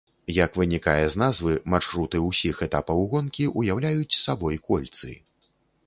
Як вынікае з назвы, маршруты ўсіх этапаў гонкі ўяўляюць сабой кольцы.